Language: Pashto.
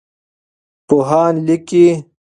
پوهان لیکي.